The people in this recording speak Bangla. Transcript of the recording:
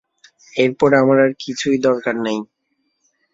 এরপর আমার আর কিছুই দরকার নেই।